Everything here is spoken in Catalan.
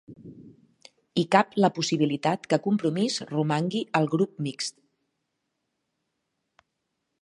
Hi cap la possibilitat que Compromís romangui al grup mixt